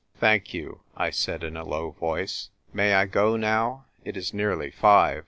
"Thank you," I said in a low voice. "May I go now ? It is nearly five.